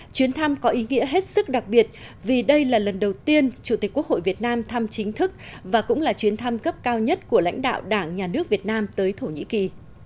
chuyến thăm có ý nghĩa hết sức đặc biệt vì đây là lần đầu tiên chủ tịch quốc hội việt nam thăm chính thức và cũng là chuyến thăm cấp cao nhất của lãnh đạo đảng nhà nước việt nam tới thổ nhĩ kỳ